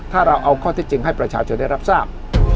ถ้าเราเอาข้อที่จริงให้ประชาชนได้รับทราบ